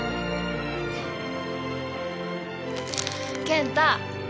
健太。